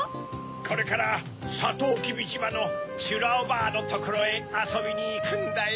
これからサトウキビじまのちゅらおばあのところへあそびにいくんだよ。